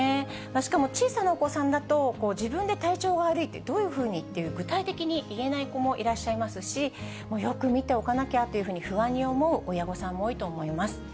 しかも小さなお子さんだと、自分で体調が悪いって、どういうふうにって、具体的に言えない子もいらっしゃいますし、よく見ておかなきゃというふうに不安に思う親御さんも多いと思います。